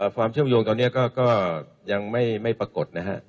ความเชื่อมโยงตอนนี้ก็ยังไม่ปรากฏนะฮะ